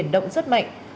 động rất mạnh